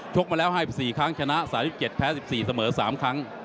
กมาแล้ว๕๔ครั้งชนะ๓๗แพ้๑๔เสมอ๓ครั้ง